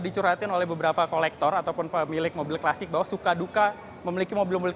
dicurhatin oleh beberapa kolektor ataupun pemilik mobil klasik bahwa suka duka memiliki mobil mobil